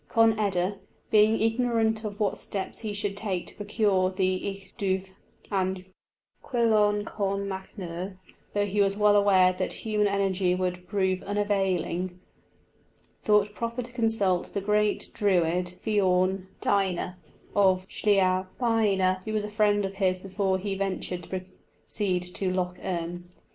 Conn eda being ignorant of what steps he should take to procure the each dubh and cuileen con na mbuadh, though he was well aware that human energy would prove unavailing, thought proper to consult the great Druid, Fionn Dadhna, of Sleabh Badhna, who was a friend of his before he ventured to proceed to Lough Erne.